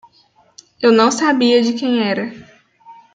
Eu não sabia de quem era.